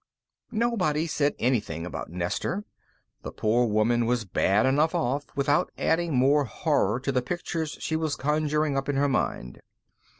Nobody said anything about Nestor; the poor woman was bad enough off without adding more horror to the pictures she was conjuring up in her mind.